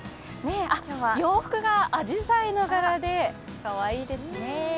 洋服が、あじさいの柄でかわいいですね。